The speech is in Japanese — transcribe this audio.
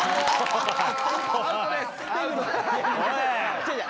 違う違う。